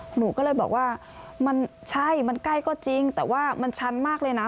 หนูก็เลยบอกว่ามันใช่มันใกล้ก็จริงแต่ว่ามันชันมากเลยนะ